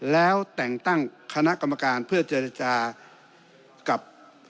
แล้วแต่งตั้งคณะกรรมการเพื่อเจรจากับ